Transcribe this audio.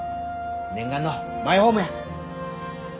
念願のマイホームや。